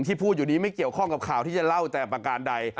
พูดอยู่นี้ไม่เกี่ยวข้องกับข่าวที่จะเล่าแต่ประการใด